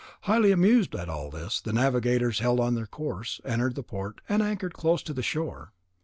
Highly amused at all this, the navigators held on their course, entered the port, and anchored close to the shore.